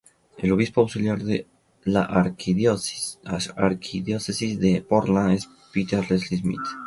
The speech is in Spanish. El obispo auxiliar de la Arquidiócesis de Portland es Peter Leslie Smith.